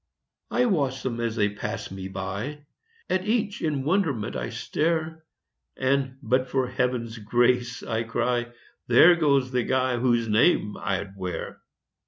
I watch them as they pass me by; At each in wonderment I stare, And, "but for heaven's grace," I cry, "There goes the guy whose name I'd wear!"